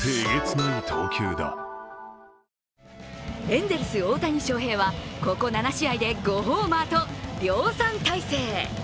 エンゼルス・大谷翔平はここ７試合で５ホーマーと量産体制。